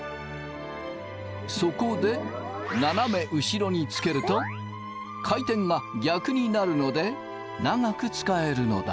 そこで斜め後ろにつけると回転が逆になるので長く使えるのだ。